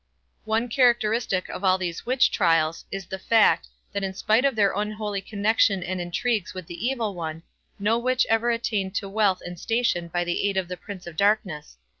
One characteristic of all these witch trials, is the fact, that in spite of their unholy connection and intrigues with the Evil One, no witch ever attained to wealth and station by the aid of the Prince of Darkness.